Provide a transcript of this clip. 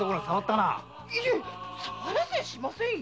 いえ触らせやしませんよ。